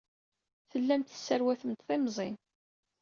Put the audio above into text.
Tellamt tesserwatemt timẓin.